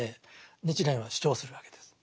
日蓮は主張するわけです。